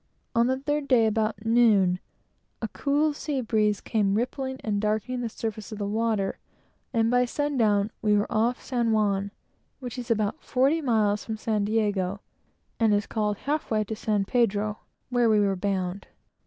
On the third day, about noon, a cool sea breeze came rippling and darkening the surface of the water, and by sundown we were off San Juan's, which is about forty miles from San Diego, and is called half way to San Pedro, where we were now bound.